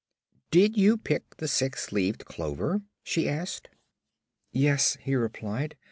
"Did you pick the six leaved clover?" she asked. "Yes," he replied.